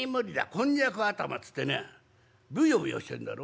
こんにゃく頭っつってねぶよぶよしてんだろ？